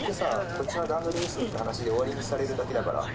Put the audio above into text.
こっちの段取りミスって話で終わりにされるだけだから。